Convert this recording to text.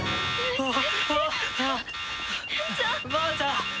あっ！